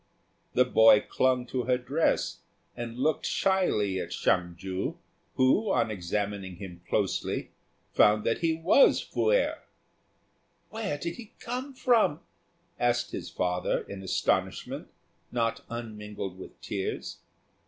The boy clung to her dress, and looked shyly at Hsiang ju, who, on examining him closely, found that he was Fu êrh. "Where did he come from?" asked his father, in astonishment, not unmingled with tears.